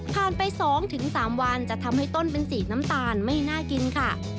ไป๒๓วันจะทำให้ต้นเป็นสีน้ำตาลไม่น่ากินค่ะ